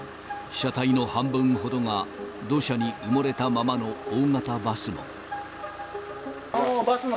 車体の半分ほどが土砂に埋もれたままの大型バスも。